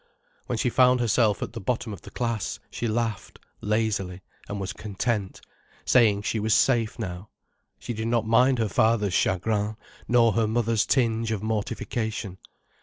When she found herself at the bottom of the class, she laughed, lazily, and was content, saying she was safe now. She did not mind her father's chagrin nor her mother's tinge of mortification.